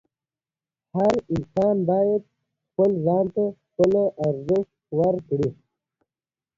میندې دې خپلو ماشومانو ته پښتو خبرې وکړي.